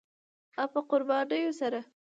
او په قربانیو سره